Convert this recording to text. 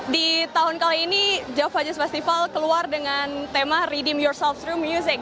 di tahun kali ini java jazz festival keluar dengan tema redeem yourself through music